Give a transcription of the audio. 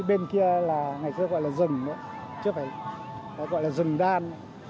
bên kia là ngày xưa gọi là rừng nữa chứ không phải gọi là rừng đan